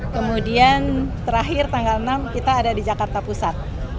kemudian terakhir tanggal enam kita ada di jakarta pusat